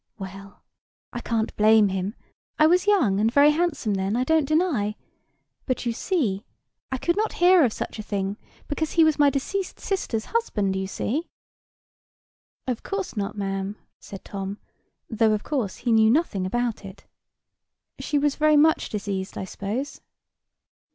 Well, I can't blame him; I was young, and very handsome then, I don't deny: but you see, I could not hear of such a thing, because he was my deceased sister's husband, you see?" "Of course not, ma'am," said Tom; though, of course, he knew nothing about it. "She was very much diseased, I suppose?"